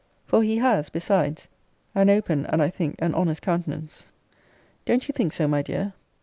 For he has, besides, as open, and, I think, an honest countenance. Don't you think so, my dear?